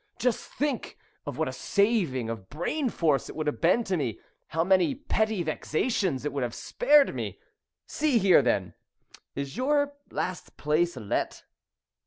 Just think what a saving of brain force it would have been to me how many petty vexations it would have spared me! See here, then! Is your last place let?"